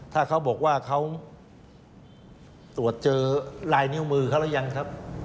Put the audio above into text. ถ้าเขาบอกว่าเขาตรวจเจอลายนิ้วมือเขาหรือยังครับ